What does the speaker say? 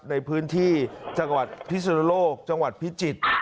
ในพื้นที่จังหวัดพิสุนโลกจังหวัดพิจิตร